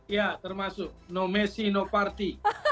ya termasuk no messi no party